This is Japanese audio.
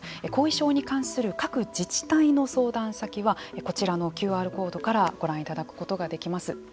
後遺症に関する各自治体の相談先はこちらのＱＲコードからご覧いただくことができます。